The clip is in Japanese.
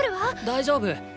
大丈夫。